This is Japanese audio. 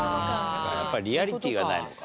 やっぱリアリティーがないのか。